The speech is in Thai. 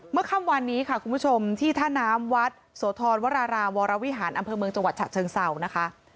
ค่ำวันนี้ค่ะคุณผู้ชมที่ท่าน้ำวัดโสธรวรารามวรวิหารอำเภอเมืองจังหวัดฉะเชิงเศร้านะคะ